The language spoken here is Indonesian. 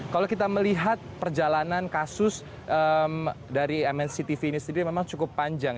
kalau kita melihat perjalanan kasus dari mnctv ini sendiri memang cukup panjang